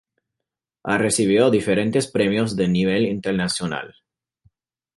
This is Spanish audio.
Ha recibido diferentes premios de nivel internacional.